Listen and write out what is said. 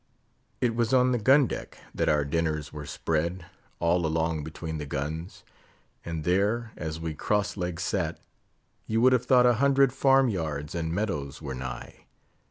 It was on the gun deck that our dinners were spread; all along between the guns; and there, as we cross legged sat, you would have thought a hundred farm yards and meadows were nigh.